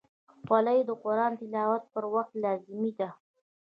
خولۍ د قرآن تلاوت پر وخت لازمي ده.